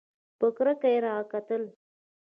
په کرکه یې راکتل !